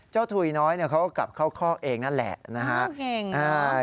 ถุยน้อยเขาก็กลับเข้าคอกเองนั่นแหละนะฮะ